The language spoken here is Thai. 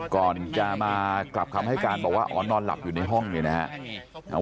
ก่อนจะมากลับคำให้การบอกว่าอ๋อนอนหลับอยู่ในห้องเนี่ยนะครับ